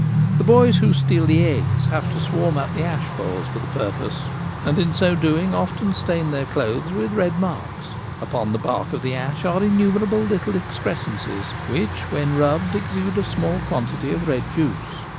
The boys who steal the eggs have to swarm up the ash poles for the purpose, and in so doing often stain their clothes with red marks. Upon the bark of the Cave in the Wood. J i ash are innumerable little excrescences which when rubbed exude a small quantity of red juice.